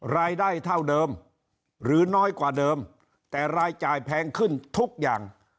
รายได้เท่าเดิมหรือน้อยกว่าเดิมแต่รายจ่ายแพงขึ้นทุกอย่าง